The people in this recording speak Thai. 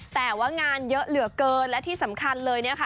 แต่ว่างานเยอะเหลือเกินและที่สำคัญเลยนะคะ